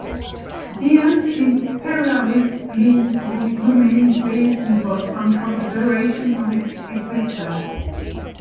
The Anti-Imperialist League would remain based in Boston for the duration of its existence.